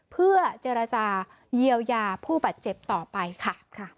เพื่อเจรจาเยียวยาผู้บาดเจ็บต่อไปค่ะ